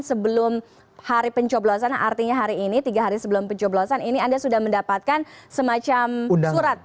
sebelum hari pencoblosan artinya hari ini tiga hari sebelum pencoblosan ini anda sudah mendapatkan semacam surat